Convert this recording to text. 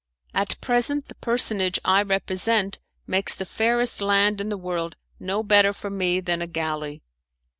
At present the personage I represent makes the fairest land in the world no better for me than a galley.